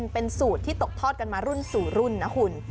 เป็นสูตรที่ตกทอดกันมารุ่นสู่รุ่นนะคุณ